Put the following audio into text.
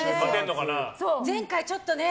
前回ちょっとね